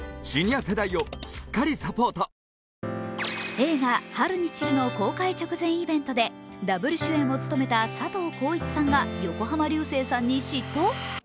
映画「春に散る」の公開直前イベントでダブル主演を務めた佐藤浩市さんが横浜流星さんに嫉妬！？